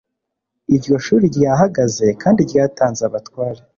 iryo shuri ryahagaze kandi ryatanze abatware